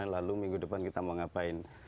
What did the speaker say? lalu minggu depan kita mau ngapain